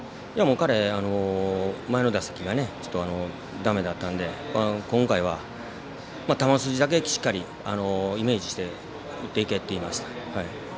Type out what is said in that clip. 彼は前の打席が、だめだったので今回は、球筋だけしっかりイメージして打っていけといいました。